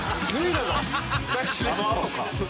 「あのあとか」